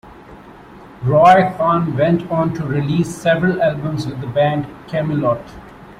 Roy Khan went on to release several albums with the band Kamelot.